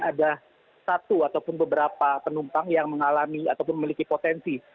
ada satu ataupun beberapa penumpang yang mengalami ataupun memiliki potensi